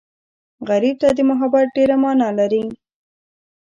غریب ته محبت ډېره مانا لري